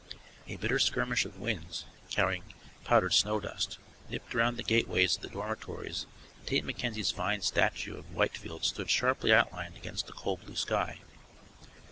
A bitter skirmish of winds, carrying powdered snow dust, nipped round the gateways of the dormitories and Tait McKenzie's fine statue of Whitefield stood sharply outlined against a cold blue sky.